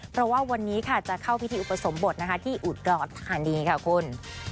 เพราะว่าวันนี้ค่ะจะเข้าพิธีอุปสมบทนะคะที่อุดรธานีค่ะคุณ